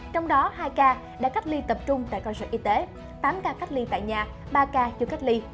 trong đó hai ca đã cách ly tập trung tại cơ sở y tế tám ca cách ly tại nhà ba ca chưa cách ly